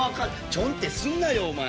ちょんってすんなよお前。